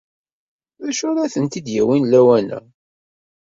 D acu ara tent-id-yawin lawan-a?